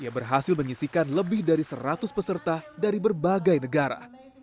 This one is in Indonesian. yang berhasil menyisikan lebih dari seratus peserta dari berbagai negara